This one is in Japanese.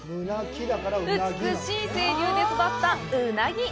美しい清流で育ったうなぎ。